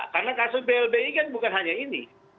karena kasus blbi kan bukan hanya ini